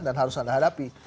dan harus anda hadapi